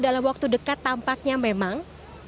dalam waktu dekat tampaknya memang